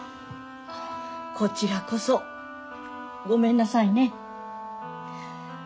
こちらこそごめんなさいね。